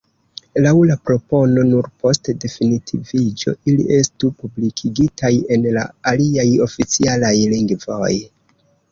Laŭ la propono, nur post definitiviĝo ili estu publikigitaj en la aliaj oficialaj lingvoj.